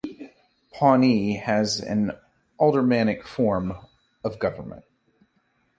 Pawnee has an aldermanic form of government.